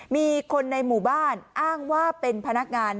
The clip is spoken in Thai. มีคนในหมู่บ้านอ้างว่าเป็นพนักงาน